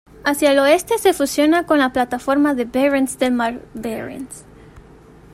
Hacia el oeste se fusiona con la plataforma de Barents del mar de Barents.